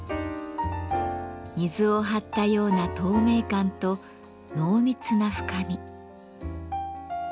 水を張ったような透明感と濃密な深み。